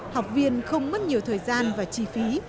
học viên không mất nhiều thời gian và chi phí